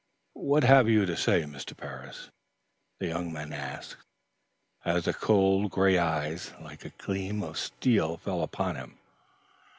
"What have you to say, Mr. Parris?" the young man asked, as the cold, gray eye, like a gleam of steel fell upon him.